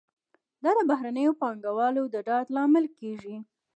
دا د بهرنیو پانګوالو د ډاډ لامل کیږي.